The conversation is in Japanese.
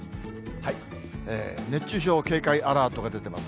熱中症警戒アラートが出てます。